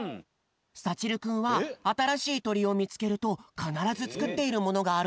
さちるくんはあたらしいとりをみつけるとかならずつくっているものがあるんだよ。